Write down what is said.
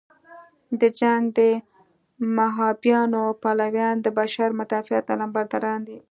د جنګ د مهابیانیو پلویان د بشر مدافعت علمبرداران دي.